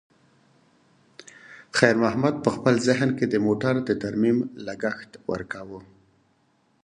خیر محمد په خپل ذهن کې د موټر د ترمیم لګښت ورکاوه.